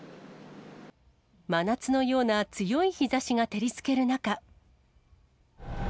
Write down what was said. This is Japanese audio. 真夏のような強い日ざしが照りつける中。